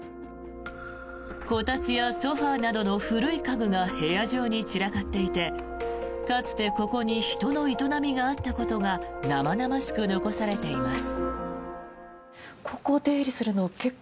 こたつやソファなどの古い家具が部屋中に散らかっていてかつてここに人の営みがあったことが生々しく残されています。